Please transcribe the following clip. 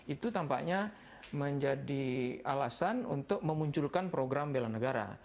itu tampaknya menjadi alasan untuk memunculkan program bela negara